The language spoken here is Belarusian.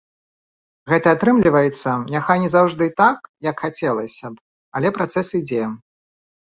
Гэта атрымліваецца, няхай не заўжды так, як хацелася б, але працэс ідзе.